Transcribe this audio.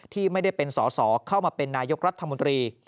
ที่ไม่ได้เป็นสอสอเข้ามาเป็นนายกรัฐมนตรี